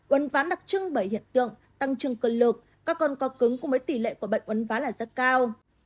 uấn ván đặc trưng bởi hiện tượng tăng trường cơ lực các con có cứng cùng với tỷ lệ của bệnh uấn ván là rất cao